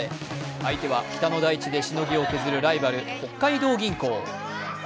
相手は北の大地でしのぎを削るライバル北海道銀行。